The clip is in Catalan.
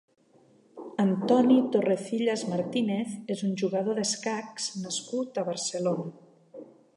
Antoni Torrecillas Martínez és un jugador d'escacs nascut a Barcelona.